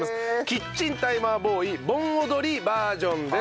キッチンタイマーボーイ盆踊りバージョンです。